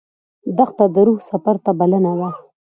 دښته د روح سفر ته بلنه ده.